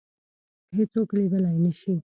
هیڅوک لیدلای نه شي